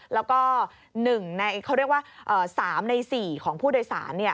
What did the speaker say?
แล้วก็๓ใน๔ของผู้โดยสาร